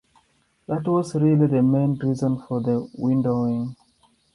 That was really the main reason for the windowing.